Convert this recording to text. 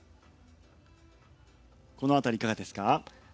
この辺りいかがですか。